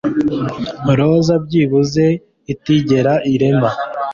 Roza byibuze itigera irema